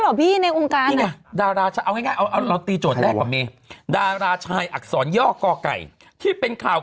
พพุเท่าปกติไม่อยู่ในชื่อนะตพุเท่าหว่านางเอกหน้าใหม่อักษรย่อทพุเท่า